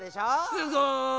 すごい。